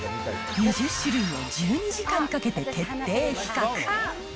２０種類を１２時間かけて徹底比較。